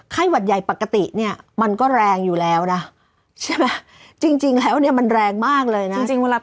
หวัดใหญ่ปกติเนี่ยมันก็แรงอยู่แล้วนะใช่ไหมจริงแล้วเนี่ยมันแรงมากเลยนะจริงเวลา